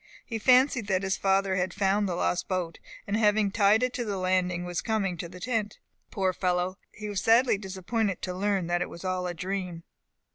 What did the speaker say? He fancied that his father had found the lost boat, and having tied it at the landing, was coming to the tent. Poor fellow! he was sadly disappointed to learn that it was all a dream.